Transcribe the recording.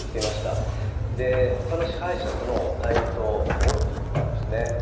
でほかの支配者との対立をあおっていったんですね。